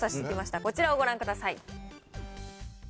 こちらをご覧ください。